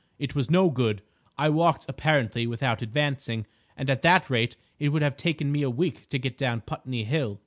It was no good. I walked apparently without advancing, and at that rate it would have taken me a week to get down Putney Hill."